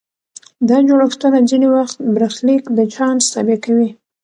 دا جوړښتونه ځینې وخت برخلیک د چانس تابع کوي.